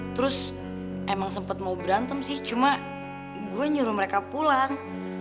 terus emang sempat mau berantem sih cuma gue nyuruh mereka pulang